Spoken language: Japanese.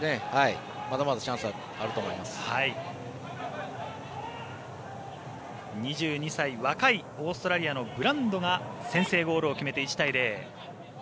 まだまだチャンスは２２歳若いオーストラリアのブランドが先制ゴールを決めて１対０。